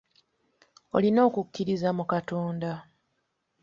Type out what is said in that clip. Olina okukkiririza mu Katonda.